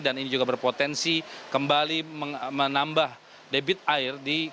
dan ini juga berpotensi kembali menambah debit air di kali pulo